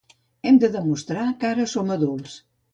Hem de demostrar que ara som adults.